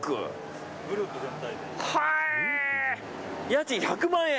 家賃１００万円？